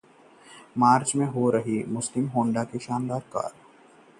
मार्च में लॉन्च हो सकती है Honda की ये शानदार कार